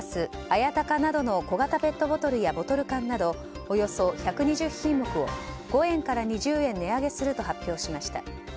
綾鷹などの小型ペットボトルやボトル缶などおよそ１２０品目を５円から２０円値上げすると発表しました。